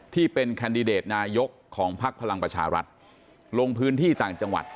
ที่เป็นแคนดิเดตนายกของพักพลังประชารัฐลงพื้นที่ต่างจังหวัด